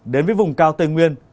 đến với vùng cao tây nguyên